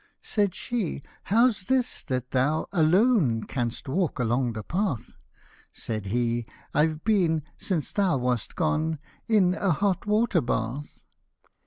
Said she, " how's this, that thou alone Canst walk along the path ?" Said he, " I've been, since thou wast gone, In a hot water bath."